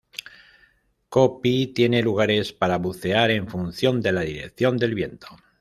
Ko Phi tiene lugares para bucear, en función de la dirección del viento.